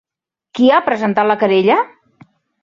Qui ha presentat la querella?